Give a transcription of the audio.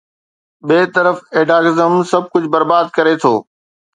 ٻئي طرف ايڊهاڪزم، سڀ ڪجهه برباد ڪري ٿو.